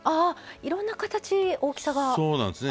いろんな形、大きさが。